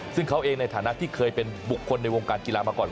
ซึ่งเขาเองในฐานะที่เคยเป็นบุคคลในวงการกีฬามาก่อน